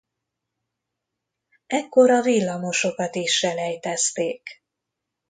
Ekkor a villamosokat is selejtezték.